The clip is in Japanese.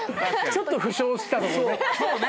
ちょっと負傷したとこね。